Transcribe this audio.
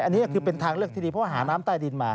อันนี้ก็คือเป็นทางเลือกที่ดีเพราะว่าหาน้ำใต้ดินมา